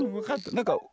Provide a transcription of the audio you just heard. なんか。